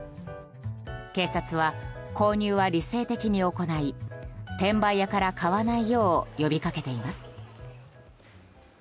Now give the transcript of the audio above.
警察は、購入は理性的に行い転売屋から買わないよう呼びかけています。